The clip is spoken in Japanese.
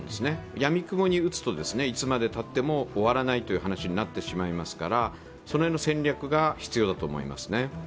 やみくもに打つといつまでたっても終わらないという話になってしまいますからその辺の戦略が必要だと思います。